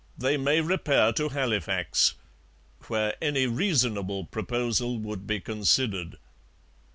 they may repair to Halifax,' where any reasonable proposal would be considered.